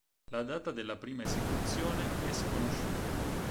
La data della prima esecuzione è sconosciuta.